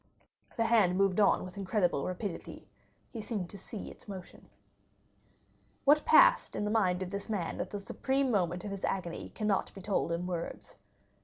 The hand moved on with incredible rapidity, he seemed to see its motion. What passed in the mind of this man at the supreme moment of his agony cannot be told in words.